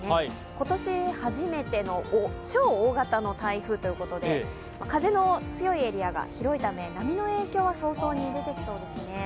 今年初めての超大型の台風ということで、風の強いエリアが広いため波の影響が早々に出てきそうですね。